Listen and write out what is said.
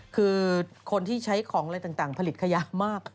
คือคนที่ใช้ของอะไรต่างผลิตขยะมาก